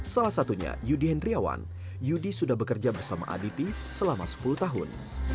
salah satunya yudi hendriawan yudi sudah bekerja bersama aditi selama sepuluh tahun